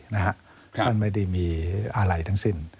ท่านไม่ได้มีอะไรทั้งสิ้น